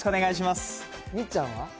みっちゃんは？